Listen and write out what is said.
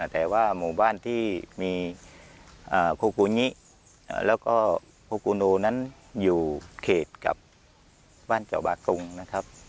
แต่ว่าหมู่บ้านที่มีโคคูงิแล้วก็โคกูโนนั้นอยู่เขตกับบ้านเจ้าบากงนะครับ